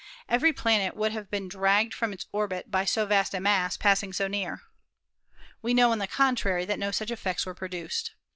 Every planet would have been dragged from its orbit by so vast a mass passing so near. We know, on the contrary, that no such effects were produced.